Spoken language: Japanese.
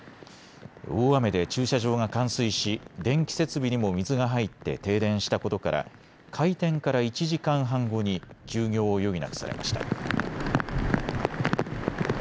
大雨で駐車場が冠水し電気設備にも水が入って停電したことから開店から１時間半後に休業を余儀なくされました。